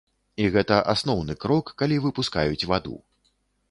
І гэта асноўны крок, калі выпускаюць ваду.